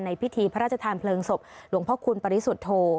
พิธีพระราชทานเพลิงศพหลวงพ่อคุณปริสุทธโธ